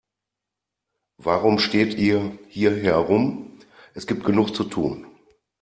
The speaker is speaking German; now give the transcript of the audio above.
Warum steht ihr hier herum, es gibt genug zu tun.